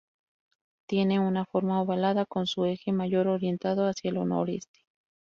Tiene una forma ovalada, con su eje mayor orientado hacia el noreste.